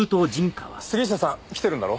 杉下さん来てるんだろ？